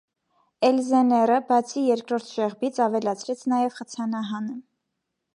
Էլզեները, բացի երկրորդ շեղբից, ավելացրեց նաև խցանահանը։